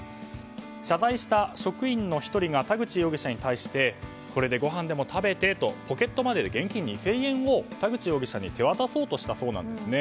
謝罪した職員の１人が田口容疑者に対してこれでごはんでも食べてとポケットマネーで現金２０００円を田口容疑者に手渡そうとしたそうなんですね。